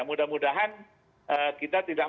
mudah mudahan kita tidak